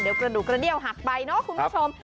เดี๋ยวกระดูกกระเดี้ยวหักไปเนาะคุณผู้ชม